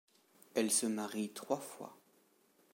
Elle se marie trois fois.